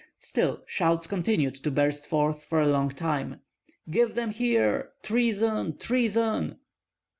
Still shouts continued to burst forth for a long time, "Give them here! Treason, treason!"